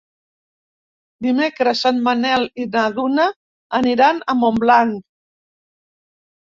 Dimecres en Manel i na Duna aniran a Montblanc.